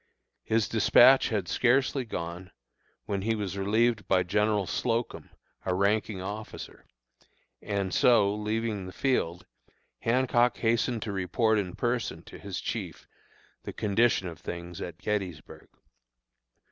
His despatch had scarcely gone, when he was relieved by General Slocum, a ranking officer, and so, leaving the field, Hancock hastened to report in person to his chief the condition of things at Gettysburg.